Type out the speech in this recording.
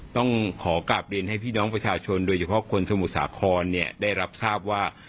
ต้องขอกลับเรียนให้พี่น้องประชาชนโดยเฉพาะคนสมุทรสาครได้รับทราบว่า